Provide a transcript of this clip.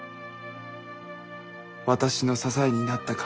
私の支えになったか。